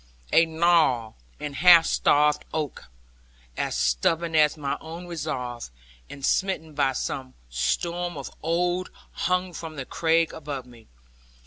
A gnarled and half starved oak, as stubborn as my own resolve, and smitten by some storm of old, hung from the crag above me.